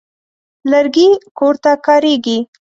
لرګي کور ته کارېږي.